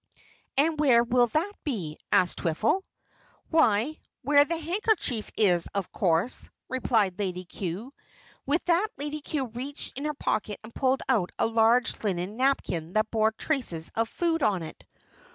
"And where will that be?" asked Twiffle. "Why, where the handkerchief is, of course," replied Lady Cue. With that Lady Cue reached in her pocket and pulled out a large linen napkin that bore traces of food on it.